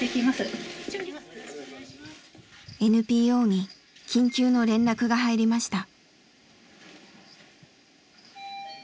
ＮＰＯに緊急の連絡が入りました。